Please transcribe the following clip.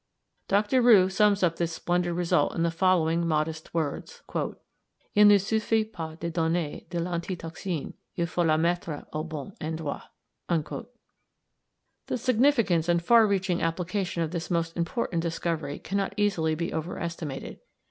Dr. Roux sums up this splendid result in the following modest words: "Il ne suffit pas de donner de l'anti toxine, il faut la mettre au bon endroit." The significance and far reaching application of this most important discovery cannot easily be overestimated.